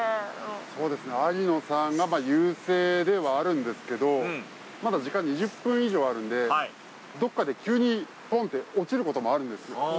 そうですねありのさんが優勢ではあるんですけどまだ時間２０分以上あるんでどっかで急にトンって落ちることもあるんですよ。